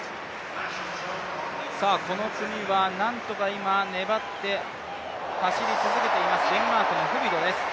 この組はなんとか今、粘って走り続けています、デンマークのフビドです。